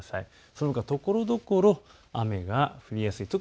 そのほかところどころ雨が降りやすいです。